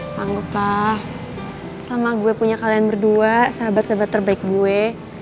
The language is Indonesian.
sanggup lah sama gue punya kalian berdua sahabat sahabat terbaik gue